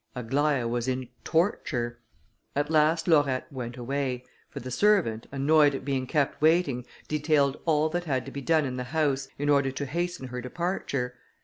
Aglaïa was in torture. At last Laurette went away, for the servant, annoyed at being kept waiting, detailed all that had to be done in the house, in order to hasten her departure.